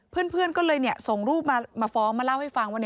เพื่อนก็เลยส่งรูปมาฟ้องมาเล่าให้ฟังว่า